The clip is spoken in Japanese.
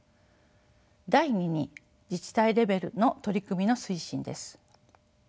第２に自治体レベルの取り組みの推進です。